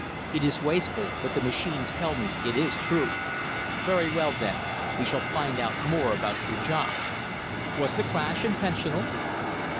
"It is wasteful but the machines tell me it is true. Very well, then; we shall find out more about your job. Was the crash intentional?"